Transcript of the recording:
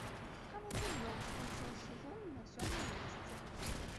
Каманда зноў скончыла сезон на сёмым месцы.